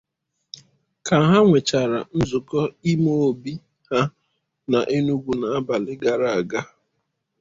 Ka ha nwechara nzukọ imeobi ha n'Enugu n'abalị gara aga